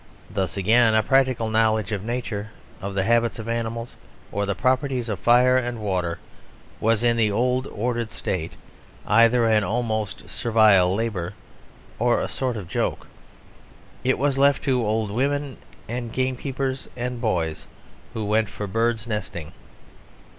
Thus again a practical knowledge of nature, of the habits of animals or the properties of fire and water, was in the old ordered state either an almost servile labour or a sort of joke; it was left to old women and gamekeepers and boys who went birds' nesting.